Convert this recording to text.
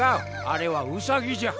あれはウサギじゃ。